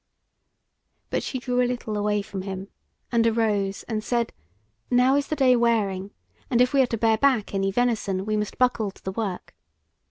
But she drew a little away from him, and arose and said: "Now is the day wearing, and if we are to bear back any venison we must buckle to the work.